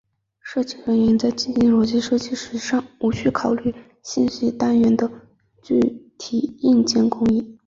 设计人员在进行逻辑设计时尚无需考虑信息单元的具体硬件工艺。